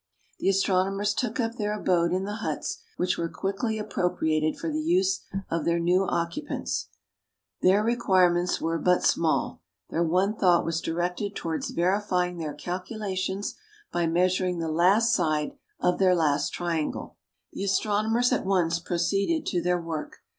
The astronomers took up their abode in the huts, which were quickly appropriated for the use of their new occupants. Their requirements were but small ; their one thought was directed towards verifying their calculations by measuring the last side of their last triangle. The astronomers at once proceeded to their work.